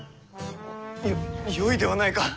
よよいではないか。